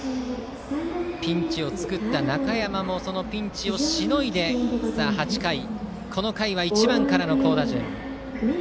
ピンチを作った中山もそのピンチをしのいで８回、この回は１番からの好打順。